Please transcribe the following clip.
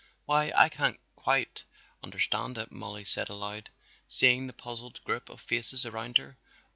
"Why, I can't quite understand it," Mollie said aloud, seeing the puzzled group of faces around her.